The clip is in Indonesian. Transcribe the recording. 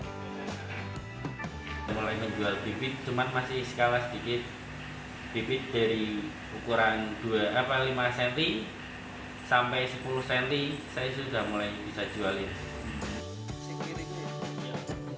mulai menjual bibit cuman masih skala sedikit bibit dari ukuran lima cm sampai sepuluh cm saya sudah mulai bisa jualin